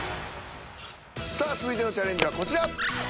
さあ続いてのチャレンジはこちら。